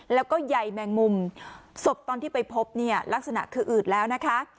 แล้วก็ใยแมงมุมศพตอนที่ไปพบเนี่ยลักษณะคืออืดแล้วนะคะ